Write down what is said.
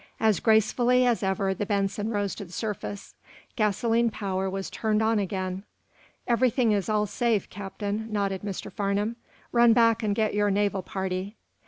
As gracefully as ever the "Benson" rose to the surface. Gasoline power was turned on again. "Everything is all safe, Captain," nodded Mr. Farnum. "Run back and get your naval party."